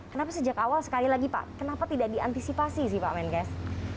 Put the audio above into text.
kenapa sejak awal sekali lagi pak kenapa tidak diantisipasi sih pak menkes